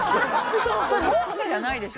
それ文句じゃないでしょ。